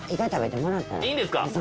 いいんですか？